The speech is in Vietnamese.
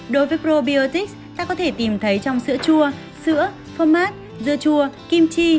đối với probiotics ta có thể tìm thấy trong sữa chua sữa format dưa chua kimchi